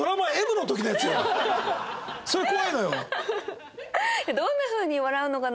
それ怖いのよ。